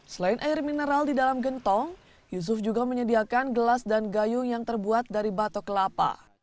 selain air mineral di dalam gentong yusuf juga menyediakan gelas dan gayung yang terbuat dari batok kelapa